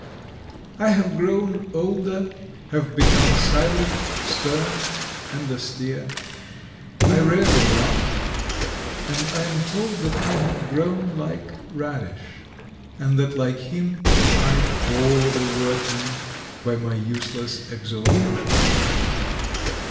I have grown older, have become silent, stern, and austere, I rarely laugh, and I am told that I have grown like Radish, and that like him I bore the workmen by my useless exhortations.